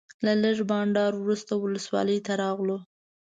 له لږ بانډار وروسته ولسوالۍ ته راغلو.